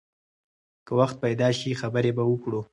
که وخت پیدا شي، خبرې به وکړو.